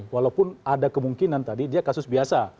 walaupun ada kemungkinan tadi dia kasus biasa